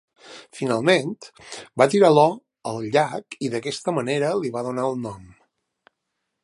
Finalment, va tirar l'or al llac i d'aquesta manera li va donar el nom.